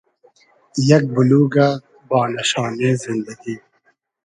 یئگ بولوگۂ بانۂ شانې زیندئگی